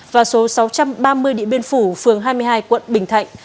và số sáu trăm ba mươi địa biên phủ phường hai mươi hai quận bình thạnh